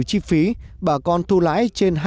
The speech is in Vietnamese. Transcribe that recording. chi phí bà con thu lãi trên